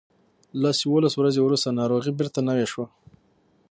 لس یوولس ورځې وروسته ناروغي بیرته نوې شوه.